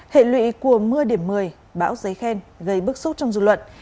hệ lụy của mưa điểm một mươi bão giấy khen gây bức xúc trong dư luận